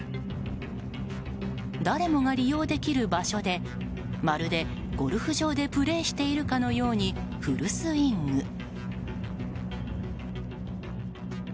誰もが利用できる場所でまるでゴルフ場でプレーしているかのようにフルスイング。